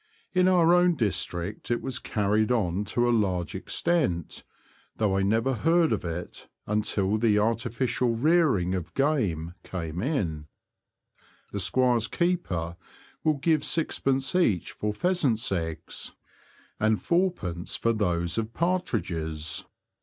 In our own district it was carried on to a large extent, though I never heard of it until the artificial rearing of game came in. The squire's keeper will give six pence each for pheasants' eggs, and fourpence 30 The Confessions of a T^oacher. for those of partridges.